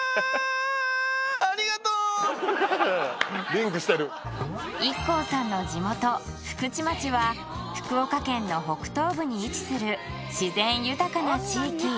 リンクしてるＩＫＫＯさんの地元・福智町は福岡県の北東部に位置する自然豊かな地域